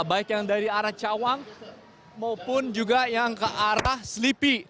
baik yang dari arah cawang maupun juga yang ke arah selipi